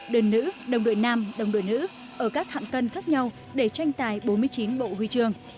đơn nữ đồng đội nam đồng đội nữ ở các hạng cân khác nhau để tranh tài bốn mươi chín bộ huy trường